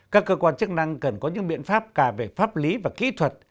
các cơ quan chức năng cần có những biện pháp cả về pháp lý và kỹ thuật